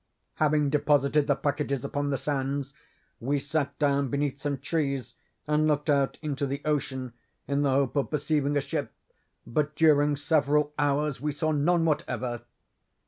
"'Having deposited the packages upon the sands, we sat down beneath some trees, and looked out into the ocean in the hope of perceiving a ship, but during several hours we saw none whatever.